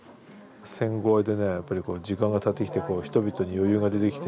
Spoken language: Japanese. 戦後でねやっぱり時間がたってきてこう人々に余裕が出てきて。